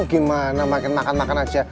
gimana makan makan aja